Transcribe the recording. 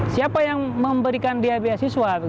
siapa yang memberikan dia biaya siswa